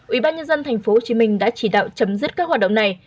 ủy ban nhân dân tp hcm đã chỉ đạo chấm dứt các hoạt động này